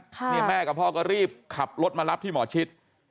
แม่กับพ่อก็รีบขับรถมารับที่หมอชิด